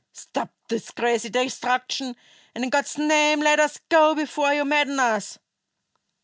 Stop this crazy destruction, and in God's name let us go before you madden us."